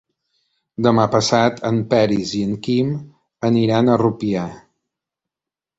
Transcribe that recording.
Demà passat en Peris i en Quim aniran a Rupià.